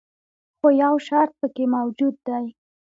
خو یو شرط پکې موجود دی.